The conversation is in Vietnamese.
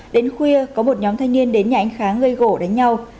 đến khuya có một nhóm thanh niên đến nhà anh khá gây gỗ đánh nhau